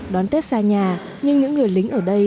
đón tết xa nhà nhưng những người lính ở đây